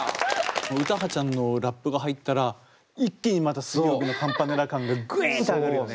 詩羽ちゃんのラップが入ったら一気にまた水曜日のカンパネラ感がグインって上がるよね。